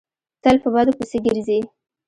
تل په بدو پسې ګرځي.